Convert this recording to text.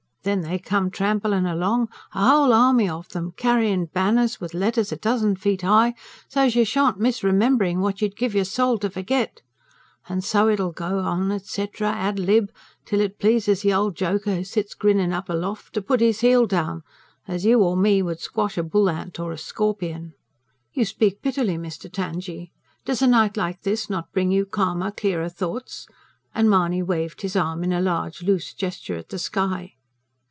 Then they come tramplin' along, a whole army of 'em, carryin' banners with letters a dozen feet high, so's you shan't miss rememberin' what you'd give your soul to forget. And so it'll go on, et cetera and ad lib., till it pleases the old Joker who sits grinnin' up aloft to put His heel down as you or me would squash a bull ant or a scorpion." "You speak bitterly, Mr. Tangye. Does a night like this not bring you calmer, clearer thoughts?" and Mahony waved his arm in a large, loose gesture at the sky.